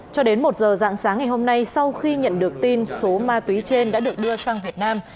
cho đến một giờ dạng sáng ngày hôm nay sau khi nhận được tin số ma túy trên đã được đưa sang việt nam